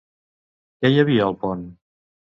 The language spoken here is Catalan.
Qui hi havia al pont?